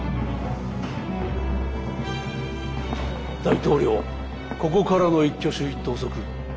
大統領ここからの一挙手一投足